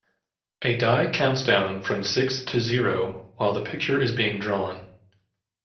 A die counts down from six to zero while the picture is being drawn.